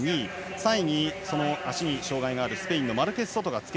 ３位に足に障がいのあるスペインのマルケスソト。